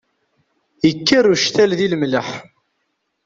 Ikker uctal di lemleḥ.